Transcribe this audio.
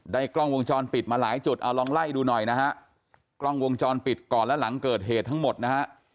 กล้องวงจรปิดมาหลายจุดเอาลองไล่ดูหน่อยนะฮะกล้องวงจรปิดก่อนและหลังเกิดเหตุทั้งหมดนะฮะ